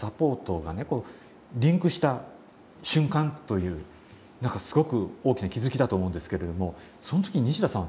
リンクした瞬間というなんかすごく大きな気付きだと思うんですけれどもその時に西田さん